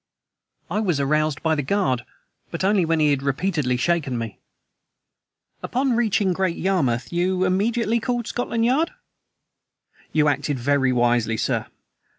"I was aroused by the guard, but only when he had repeatedly shaken me." "Upon reaching Great Yarmouth you immediately called up Scotland Yard? You acted very wisely, sir.